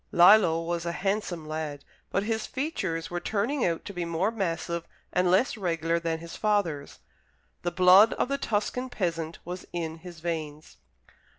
Lillo was a handsome lad, but his features were turning out to be more massive and less regular than his father's. The blood of the Tuscan peasant was in his veins.